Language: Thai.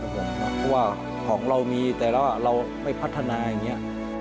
เพราะว่าของเรามีแต่แล้วเราไม่พัฒนาอย่างนี้